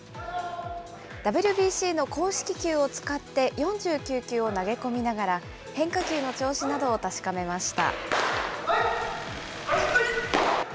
ＷＢＣの公式球を使って４９球を投げ込みながら、変化球の調子などを確かめました。